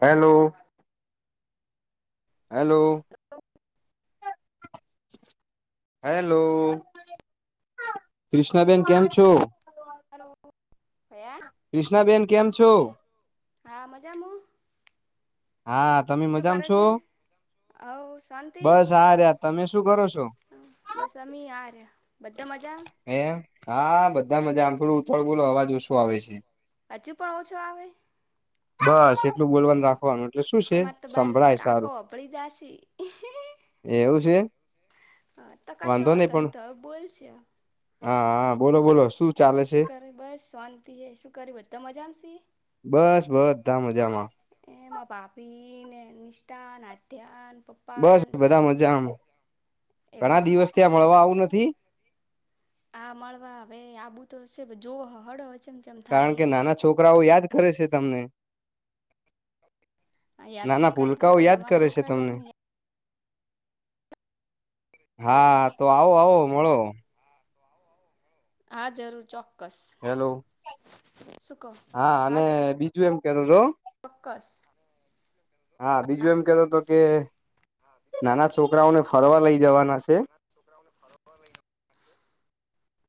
Hello. Hello. Hello. ક્રિષ્ણાબેન કેમ છો? [unintelligible] ક્રિષ્નાબેન કેમ છો? હા મજામાં. [unintelligible] હા તમે શું મજામાં કરે છો? છે હવ શાંતિ બસ આ રહ્યા તમે શું કરો છો? બસ અમી આ રહ્યા બધા મજામાં? હે [unintelligible] હા બધા મજામાં આમ થોડું ઉતાવળું બોલો અવાજ ઓછો આવે છે. હજુ પણ ઓછો આવે? બસ એટલું બોલવાનું રાખવાનું એટલે શું છે તમારે તો બાર સંભળાય કાકો સારું. અભળી જાશી એવું છે? હ તો કશો નહી વાંધો નઇ પણ તો હવે બોલ. હા હા બોલો બોલો શું ચાલે શું છે કરે બસ શાંતિ એ શું કરે બધા મજામાં છે? બસ બધા મજામાં. એ માર ભાભી ને નિષ્ઠા [unintelligible] બસ ન બધા મજામાં, એવું ઘણા એમ દિવસ થીયા આ મળવા આવું નથી? આ મળવા હવે આબું તો શે પણ જો [unintelligible] કારણ કે નાના છોકરાઓ યાદ કરે છે તમને. યાદ તો નાના કરતી ભૂલકાઓ છે ને યાદ અમારા કરે છે છોકરા એ તમને. યાદ હા તો આવો આવો મળો. હા જરૂર ચોક્કસ, હેલો શું ક હા તું એમ કેતો તો ચોક્કસ. હા, બીજું એમ કેતો હતો કે નાના છોકરાઓને ફરવા લઈ જવાના છે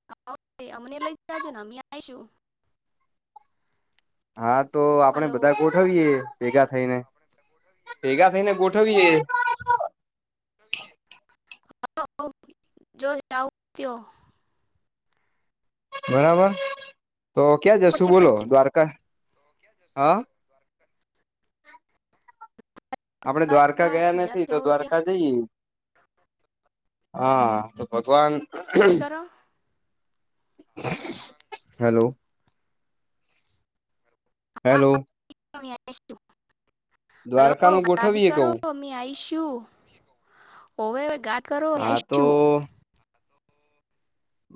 હા, ઓકે, અમને એ લઈ જજો ને અમે આઈશું. હા, તો આપણેે હલો બધા ગોઠવીએ ભેગાથઈને, ભેગાથઈને ગોઠવીયે. [inaudible] બરાબર? તો ક્યાં જશું પડશે બોલો, પછી દ્વારકા? હા. આપણે દ્વારકા ગયા જ્યાં નથી, તો જાઓ ત્યાં દ્વારકા જઈએ. હા, તો ભગવાન [unintelligible] કરો હલો. હા હેલો. [inaudible] હલો દ્વારકા નું ગાદી ગોઠવીએ કરો, કવું અમે આઈશું. હોવે ઘાટ કરો મી હા તો આઇશું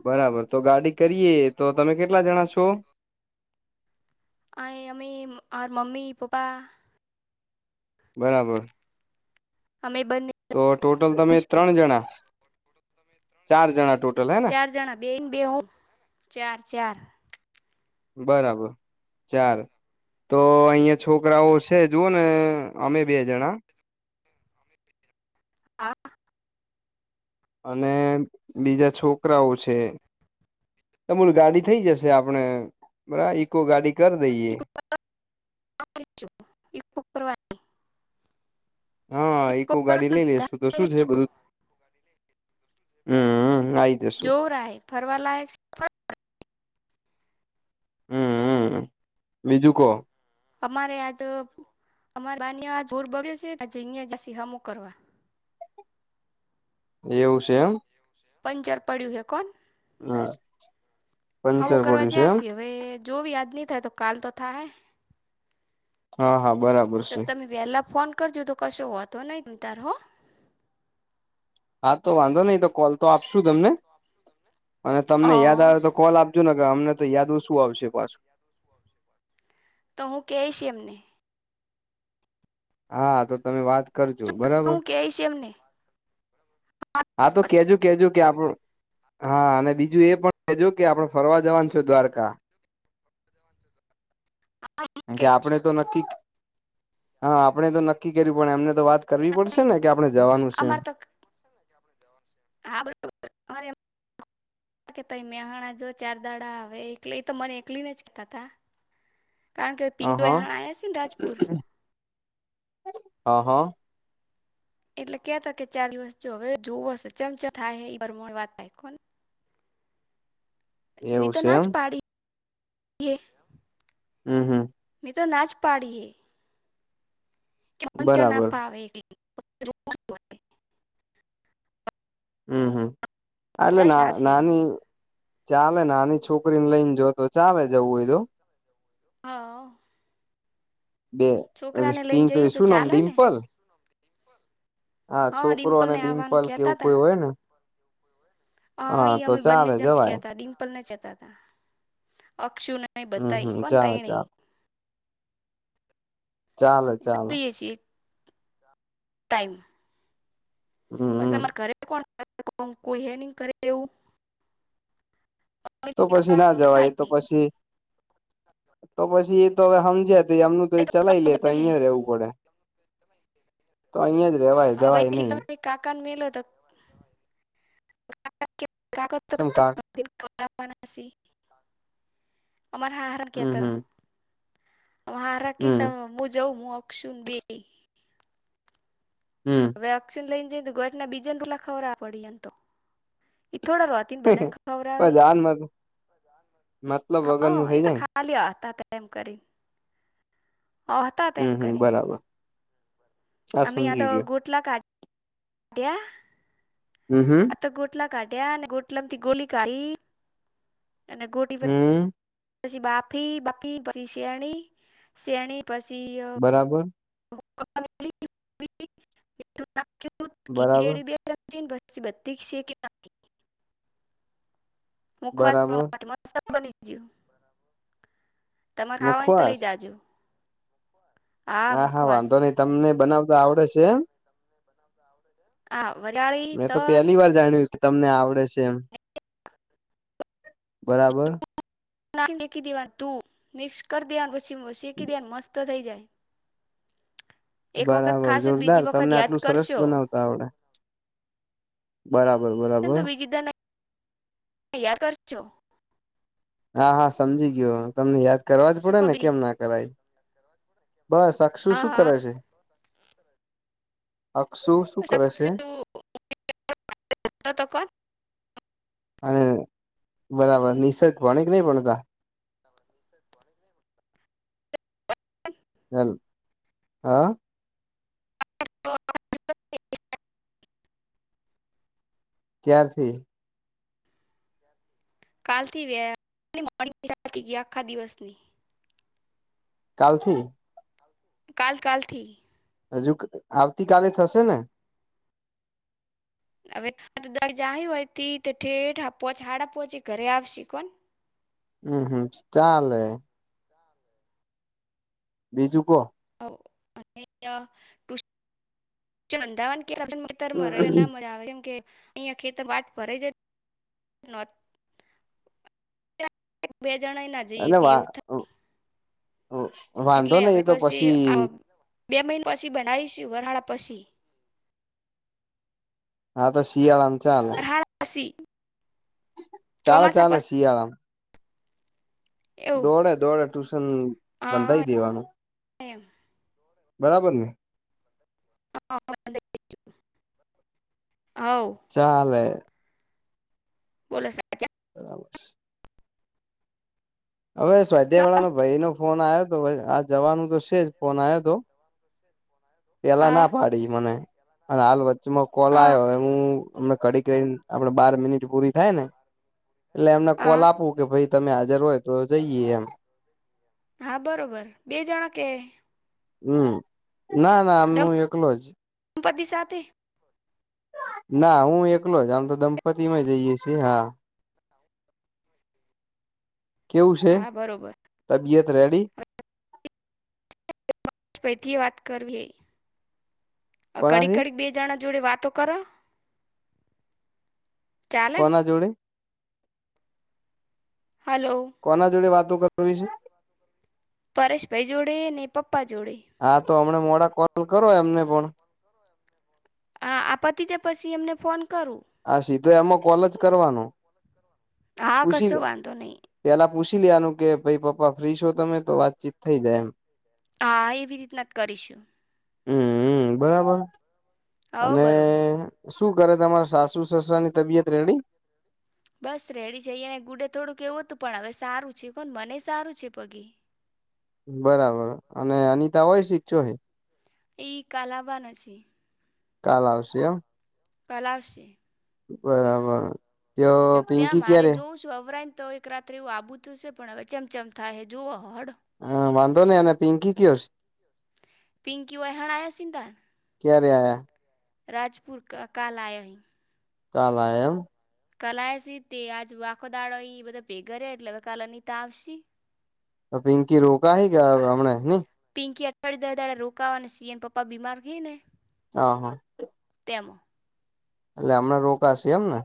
બરાબર તો ગાડી કરીએ, તો તમે કેટલા જણા છો? આય અમે માર મમ્મી, પપ્પા બરાબર. અમે બંને તો ટોટલ તમે આવીશું ત્રણ જણા? ચાર જણા ટોટલ? હે ને ચાર જણા બે ને બે ચાર ચાર. બરાબર ચાર. તો અહીયાં છોકરાઓ છે, જુઓ ને અમે બે જણા હા. અને બીજા છોકરાઓ છે. અમૂલ ગાડી થઈ જશે આપણે બરા, ઈકો ગાડી કરી દઈએ કરવા હા, ઇકો ઈકો ગાડી કરવા લઈ લેશુ, તો શું છે બધું હમ આઈ જશું જો રાય ફરવા લયક છે, ફર હમ્મ, હમ્મ, બીજું કો? અમારે યાતો અમારે બાને આ જોર બગે છે, આજે અહં જ સિહામુ કરવા. એવું છે, એમ. પંચર પડી્યું હેકો હા હામુ પંચર કરવા પડ્યું છે એમ જસી, હવે જોવી આજની તો કાલ તો થાહૈ. હા, હા. બરાબર તો છે તમે વહેલા ફોન કરજો, તો કશો વાંધો નઈ તાર, હો. હા, તો વાંધો નઈ તો કોલ તો આપશું તમને અને હ તમને યાદ આવે તો કોલ આપજો ને કે અમને તો યાદ ઓછું આવશે પાછું. તો હું કેઈશ એમને હા, તો તમે વાત કરજો બરાબર હું કેઈશ એમને હા તો કેજું કેજુ કે આપ, હા અને બીજું એ પણ કેજો કે આપડે ફરવા જવાના છે, દ્વારકા. કારણકે આપણે તો નક્કી, હા આપણે તો નક્કી કર્યું, પણ એમને તો વાત કરવી પડશે ને કે આપણે જવાનું છે, એમ. અમારે તો હા. બરોબરરે [inaudible] કે પ મેહાણા, જો ચાર દાડા આવે એક, તો મને એકલી ને જ કેતા તા [inaudible] કારણ કે અ પિંડો હ એ હણા આ્યા છે, ને રાજપુર હા, હા એટલે કતા કે ચાર દિવસ જો હવે જોવો હ ચમચમ થાય વાત, થાય કો છ, એવું મેી તો છે ના જ એમ પાડી હમ, હમ એ તો ના જ પાડીએે એ ત્યા, ના બરાબર પાવ [inaudible] હમ, હમ એટલે ના નાની ચાલે ને આની છોકરી, ને લઈને જોતો ચાલે જવું એ તો હા બે છોકરાને લઈને પિંક જઈએ તો શુ, નામ ચાલે ને ડિમ્પલ હા, છોકરો અને ને આવવાનું ડિમ્પલ કેતા કેવું તા કોઈ હોય, ને હા, એ તો અમે બંને ચાલે જ જ ક જવાય ત ડિમ્પલ ના ચતા કસુ, નહી હમ બતાય હમ કોણ ચાલે ચાલે ભાઈણી ચલે, ચલે જોઈએ છીએ ટાઈમ બસ હમ અમારે ઘરે કોણ કોઈ, હે કરે એવું તો પછી ના જવાય, એ તો પછી, તો પછી એ તો હવે સમજ્યા એમનું તો એ ચલાય, લે તો અહીંયા ર રહેવું પડે તો અહી જ રેવાય દવાય, નહીિ કાત ચમ કા તો અમાર હાહારણ ક હમ હતો. હમ હારાકીી ત હમ હું, જવ હું ઓશું બે હમ હવે, અક્ષન લઈ ને જઈ, તો ગોટ ના બીજાને રૂટલા ખબર પડી એમ તો થોડા રતી, ને બધાને ખબર આવે. પણ જાન મતલબ હકક, વગર નું એ થઇ તો જાય ખાલી હતા. એમ કરી હતા, તેમ હમ હમ કરી. બરાબર અમે સમજી આ ગયો ગોટલા, કાઢ કાઢ્યા. હું, હું. આ તો ગોટલા કાઢ્યા, અને ગોટલામા થી ગોલી, કાઢી અને ગોટી પર હમ પછી બાફી બાફી પછી, શેણી શેણી પછી બરાબર [inaudible] બરાબર ચીન બસી બત્તી છે, કે મુખવાસ બરાબર માટે બની [unintelligible] તમારે ખાવા હોયને, તો મુખવાસ લઈ જાજો હા હા, વાંધો નહી. તમને બનાવ તો આવડે છે, એમ હ [inaudible] મેં તો પહેલી, વાર જાણ્યું હતુ તમને આવડે છે, એમ બરાબર શેકી દેવાનુ, તું મિક્સ કરી દેવાનું પછી શેકી દેવાનું મસ્ત થઈ જાય. એક વખત બરાબર, ખાશો તો બીજી જોરદાર વખત તમને યાદ આટલું સરસ કરશો બનાવતા આવડે. બરાબર, બરાબર તૈયાર કરજો. હા હા સમજી ગયો, તમને યાદ કરવા જ શું પડે કો ને બી કેમ ના કરાય બસ અક્ષુ હા શું હા કરે છે. અક્ષુ શું કરે છે [inaudible] અને બરાબર, નિસર્ગ ભણે કે નહી, ભણતા [unintelligible] [inaudible] ચલ હા. [inaudible] ક્યારથી કાલથી વેલી મોડી ચાલથી આખા દિવસની કાલથી કાલ કાલથી હજુ ક આવતી કાલે થશે ને હવે દ જાય હોય ઠેઠ હાડા પોચે ઘરે આવશે કોણ હમમ હમમ ચાલે બીજું કો. [inaudible] રનધાવા તરરે ના મજા આવે કેમ કે અહિયાં ખેતર વાટ ભરાય જાય નો બે જણા યે નય જઈ અને હકે વા એવું થાય. વાંધો એટલે નહી હવે એ તો પછી અ બે મહિને પછી બનાવીશ વરાહળ પસી હા તો શિયાળા મ અર હા પસી. ચાલો ચાલો શિયાળા માં એવું દોડે દોડે ટ્યુશન હા બંધાઈ દેવાનું. એમ બરાબર ને હા બધાય દેશું. ચાલે બોલો સા ક્યાં બરાબર સે હવે સ્વાધ્યાય વાળાનો ભાઈ નો ફોન આવ્યો હતો આ જવાનું તો છે જ ફોન આયવો તો પેલા હા ના પાડી મને અને હાલ વચ્ચમાં કોલ હા આયો હું અમને કડીકને આપડે બાર મિનિટ પૂરી થાય ને એટલે એમને હા કોલ આપું કે ભાઈ તમે હાજર હોય તો જઈએ એમ હા બરોબર બે જણા કે હમમ ના ના મુ એકલો જ દપત્તિ સાથે ના હું એકલો જ આમ તો દંપતિમાં જઈએ છીએ હા. [inaudible] કેવું છે હા બરોબર તબિયત રેડી. પૈથી વાત કરવી હે કડીક કોનાથી કડીક બે જણ જ જોડે વાતો કરે કોના જોડે? હલો કોના જોડે વાતો કરવી છે? પરેશભાઈ જોડે ને, પપ્પા જોડે. હા હમને મોડા તો કરો એમને ફોન હા આ પતી જાય પછી એમને ફોન કરું. હા સીધો એમાં કોલ જ કરવાનો. હા પૂછી કશું વાંધો નય. પેલા પૂછી લેવા નું કે ભઈ પપ્પા ફ્રી છો તમે તો વાતચીત થઈ જાય એમ હા એવી રીતના જ કરીશું. હમમ અ બરાબર હવ અને બરોબર શું કરે તમારા સાસુ સસરા ની તબિયત રેડી. બસ રેડી છે. અયા ગુડે થોડું કેવું હતું પણ હવે સારું છે કોને મને સારું છે પગે બરાબર અને અનિતા હોય શીખચો હ. એ કાલાબનો છે. કાલ આવશે એમ. પલાવશે. બરાબર. તો ત્યાં પિંકી મારે ક્યારે જોવું છું અવરાઈન તો એક રાત્રે એવું આબુતુંશે પણ હવે ચમચમ થાય હ જુઓ. હ વાધો ન અને પિંકી કેવ છે? પિંકી હોય હણ આયા છે ને તાણ ક્યા આયા? રાજપુર કાલ આયા હૈ. કાલ આયા એમ. કાલા સ તે આજુ આખો દાડો બધા ભેગા એટલે હ કાલનીતા આવશ. તો પિંકી રોકા હૈ કયા હમણા ને? ળડી દાે રોકાવા અને સીએન પપ્પા બીમાર ગઈ ને. હ હા. તેમ. એટલે હમણાં રોકાશે એમ ને.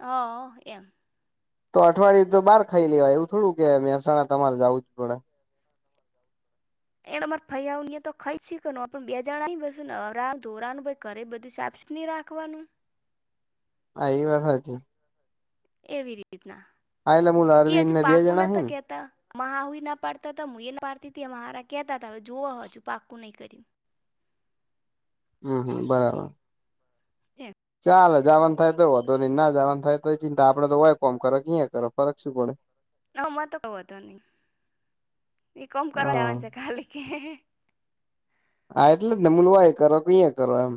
હા એમ. તો અઠવાડિયે તો બહાર ખાઈ લેવાય એવું થોડું કે મહેસાણા તમારે જવું છું પડે. એ તમારે ફરીતો ખ શીખ બે જણાસ ને અમ ધોરાનું ઘરે બધું. સની રાખવાનું. આઈ વા ભાજી. એવી રીતના. એટલે હું એ અરવિંદ હજી ને બે પાકુ જણા હી નતા ને કહેતા મહુ ના પાડતા હતા મુ પાડતી મહારાજ. કતા હતા હવે જોવા હજુ પાકું નહી કર્યું. હમ હમ બરાબર. એમ ચાલ જવાન થાય તો વધો નહી ના જવાન થાય તોય ચિંતા આપડે તો હોય કોમ કરો ક કરો ફરક શું પડે. હમાં તો ક હતો નહી, એ કોમ કરવા હા જવાનું છે ખાલી કે. હા એટલે જ નમૂલવા એ કરો ક કરો એમ.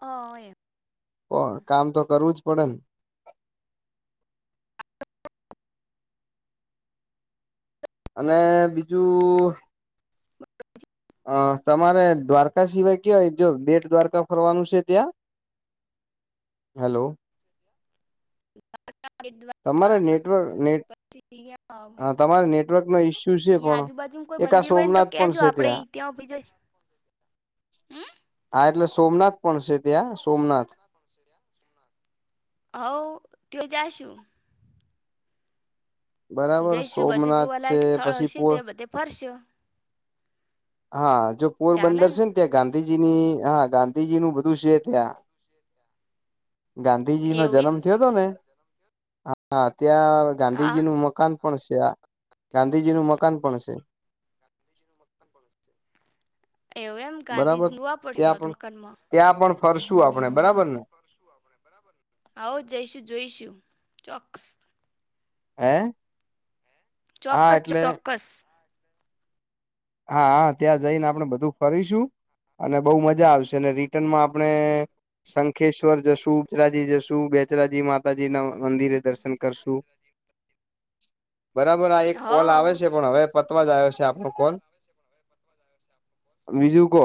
હ હો એ. ઓ કામ તો કરવું જ પડે ને. અને બીજું [inaudible] હ તમારે દ્વારકા સિવાય કયોવાય જો બેટ દ્વારકા ફરવાનું છે ત્યાં? હેલો. [inaudible] તમારે નેટવર્ક નેટ પછી અહં હ તમારે નેટવર્ક નો ઈસ્યુ છે પણ. બાજુું કોઈ એક આ મંદિર હોય ને તો સોમનાથ કેજ પણ છે આપે ત્યાં ભી જાય. હા એટલે સોમનાથ પણ છે ત્યાં સોમનાથ. હ ત્યાં જાશું. બરાબર જઈશું બધું સોમનાથ છે જોવાલાયક સ્થળ પછી હશે પોર તે બધે ફરશે. હા જો પોરબંદર છે ને ત્યાં ગા ગાંધીજીની હા ગાંધીજી નું બધું છે ત્યાં. ગાંધીજી નો એવું જન્મ એમ થયો હતો ને, હ ત્યાં હા ગાંધીજી નું મકાન પણ છે ગાંધીજી નું મકાન પણ છે. એવું એમ બરાબર ગાંધીજી ન વાપરતો ત્યાં હતો પણ મકનમાં. ત્યાં પણ ફરશું આપડે. આવો જઈશું જોઈશુ ચોક્સ. હે? હા ચોક્કસ એટલે ચોક્કસ. હા ત્યાં જઈને આપણેે બધું ફરીશું. અને બહુ મજા આવશે અને રિટર્નમાં આપણે શંખેશ્વર જશું બહુચરાજી જશું બેચરાજી માતાજીના મંદિરે દર્શન કરશું. બરાબર આ એક હોવ કોલ આવે હોવ છે પણ હવે પતવા જ આયો છે આપડો કોલ. બીજું કો.